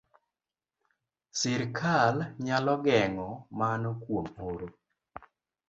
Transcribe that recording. Sirkal nyalo geng'o mano kuom oro